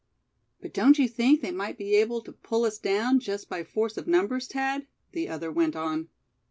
"But don't you think they might be able to pull us down just by force of numbers, Thad?" the other went on.